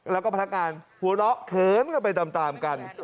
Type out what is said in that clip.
แล้วก็พนักงานหัวเราะเขินกันไปตามกัน